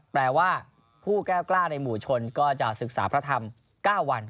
แปลว่าผู้แก้วกล้าในหมู่ชนก็จะศึกษาพระธรรม๙วัน